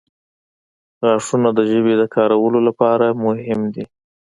• غاښونه د ژبې د کارولو لپاره مهم دي.